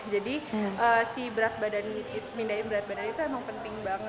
jadi si berat badan pindahin berat badan itu emang penting banget